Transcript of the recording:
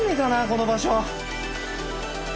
この場所。